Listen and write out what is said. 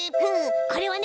これはね